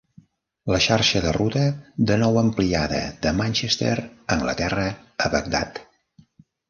La xarxa de ruta de nou ampliada de Manchester, Anglaterra, a Bagdad.